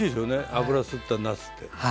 油吸ったなすって。